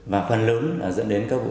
và phần lớn dẫn đến các vụ